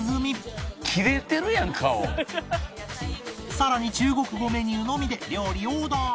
さらに中国語メニューのみで料理オーダー